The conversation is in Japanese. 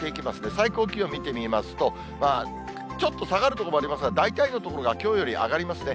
最高気温見てみますと、ちょっと下がる所もありますが、大体の所がきょうより上がりますね。